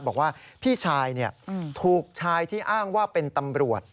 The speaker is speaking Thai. บอกว่าพี่ชายถูกชายที่อ้างว่าเป็นตำรวจ